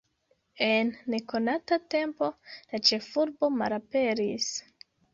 En nekonata tempo la ĉefurbo malaperis.